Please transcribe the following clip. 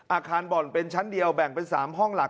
อาคารบ่อนเป็นชั้นเดียวแบ่งเป็น๓ห้องหลัก